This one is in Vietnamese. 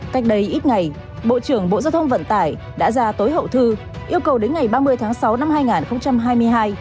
cách đây ít ngày bộ trưởng bộ giao thông vận tải đã ra tối hậu thư yêu cầu đến ngày ba mươi tháng sáu năm hai nghìn hai mươi hai